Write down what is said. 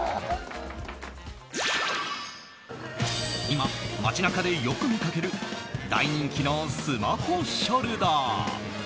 今、街中でよく見かける大人気のスマホショルダー。